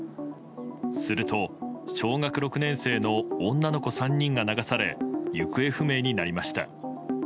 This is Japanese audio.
すると、小学６年生の女の子３人が流され行方不明になりました。